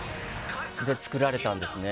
それで作られたんですね。